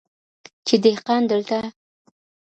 چي دهقان دلته